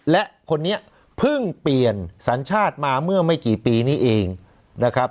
และคนนี้เพิ่งเปลี่ยนสัญชาติมาเมื่อไม่กี่ปีนี้เองนะครับ